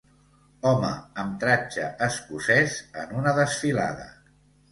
Home amb tratge escocès en una desfilada